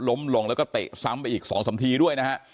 ล้มลงแล้วก็เตะซ้ำไปอีก๒๓ทีด้วยนะฮะ